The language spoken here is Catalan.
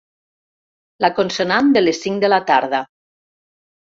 La consonant de les cinc de la tarda.